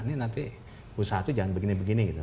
ini nanti usaha itu jangan begini begini gitu